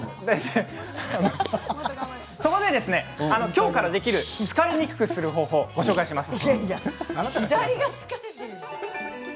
きょうからできる疲れにくくする方法をご紹介します。